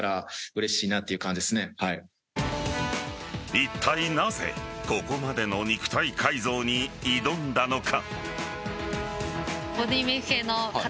いったいなぜここまでの肉体改造に挑んだのか。